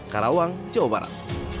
karawang jawa barat